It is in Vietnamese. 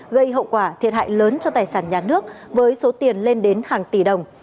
gây hậu quả thiệt hại lớn cho tài sản nhà nước với số tiền lên đến hàng tỷ đồng